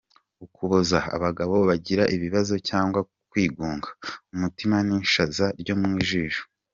Ukuboza: Abagabo bagira ikibazo cyo kwigunga, umutima n’ishaza ryo mu jisho.